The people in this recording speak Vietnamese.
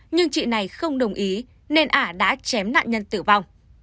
nhưng chị này không đồng ý nên ả đã chém nạn nhân tử vong